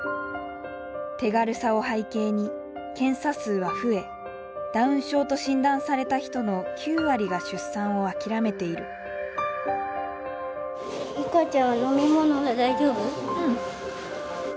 手軽さを背景に検査数は増えダウン症と診断された人の９割が出産を諦めているうん。